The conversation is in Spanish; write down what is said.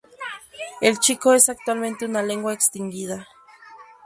El chico es actualmente una lengua extinguida.